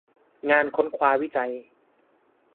งานค้นคว้าวิจัย